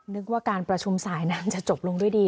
นึกว่าการประชุมสายนั้นจะจบลงด้วยดี